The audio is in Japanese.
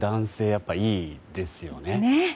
やっぱりいいですよね。